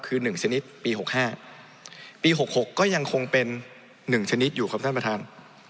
คือ๑ชนิดปี๖๕ปี๖๖ก็ยังคงเป็น๑ชนิดอยู่ครับท่านประธาน